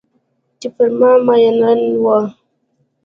چې پر ما میینان وه